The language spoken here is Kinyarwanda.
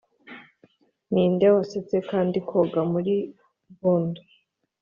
ninde wasetse kandi koga muri bund *